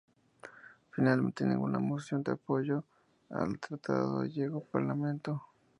Finalmente ninguna moción de apoyo al tratado llegó al Parlamento.